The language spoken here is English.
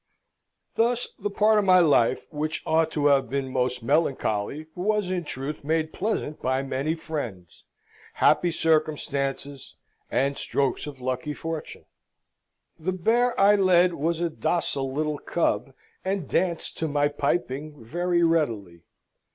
Thus, the part of my life which ought to have been most melancholy was in truth made pleasant by many friends, happy circumstances, and strokes of lucky fortune. The bear I led was a docile little cub, and danced to my piping very readily.